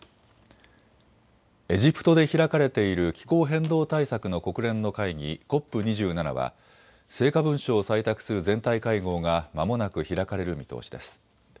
エジプトで開かれている気候変動対策の国連の会議、ＣＯＰ２７は成果文書を採択する全体会合がまもなく開かれる見通しです。